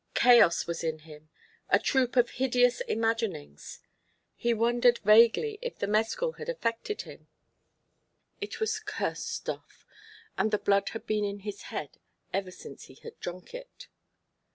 Chaos was in him, a troop of hideous imaginings. He wondered vaguely if the mescal had affected him. It was cursed stuff, and the blood had been in his head ever since he had drunk it.